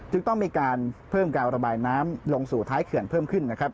จึงต้องมีการเพิ่มการระบายน้ำลงสู่ท้ายเขื่อนเพิ่มขึ้นนะครับ